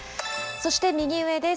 そして右上です。